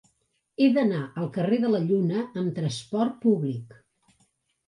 He d'anar al carrer de la Lluna amb trasport públic.